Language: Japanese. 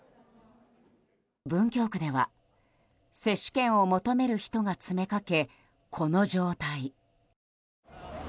文京区では接種券を求める人が詰めかけこの状態。